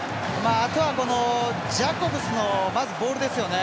あとは、ジャコブスのボールですよね。